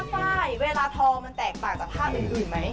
ผ้าไฟ่เวลาทอมันแตกต่างจากผ้าเหมือนอื่นไหม